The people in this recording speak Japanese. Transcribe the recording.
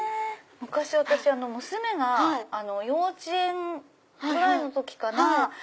昔娘が幼稚園ぐらいの時かな。